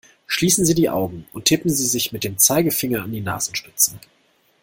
Schließen Sie die Augen und tippen Sie sich mit dem Zeigefinder an die Nasenspitze!